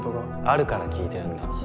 あるから聞いてるんだ。